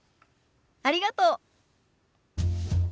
ありがとう。